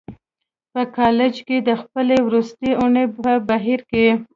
په کالج کې د خپلې وروستۍ اونۍ په بهير کې.